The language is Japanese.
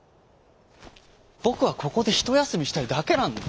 ぼくはここでひとやすみしたいだけなんだ」。